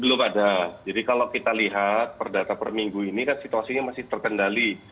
belum ada jadi kalau kita lihat per data per minggu ini kan situasinya masih terkendali